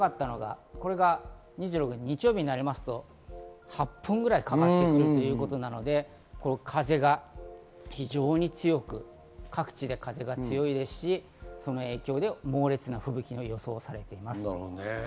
それが日本列島になかったのが、日曜日になりますと、８本ぐらいかかってくるということで風が非常に強く、各地で非常に風が強いですし、その影響で猛烈な吹雪の予想がされています。